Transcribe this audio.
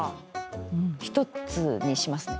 １つにしますね